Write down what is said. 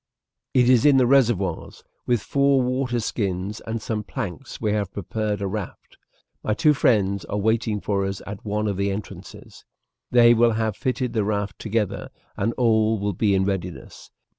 "It is in the reservoirs. With four water skins and some planks we have prepared a raft. My two friends are waiting for us at one of the entrances. They will have fitted the raft together, and all will be in readiness.